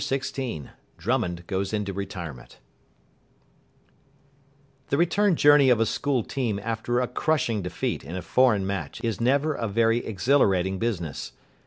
XVI DRUMMOND GOES INTO RETIREMENT The return journey of a school team after a crushing defeat in a foreign match is never a very exhilarating business.